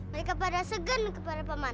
mereka pada segen kepada pak man